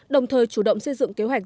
đồng thời chủ động xây dựng kế hoạch